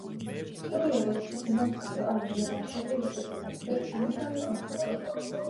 იგი, როგორც ჩანს, უნდა მდგარიყო ამჟამად არსებული ეკლესიის ადგილას, ანდა მის მახლობლად.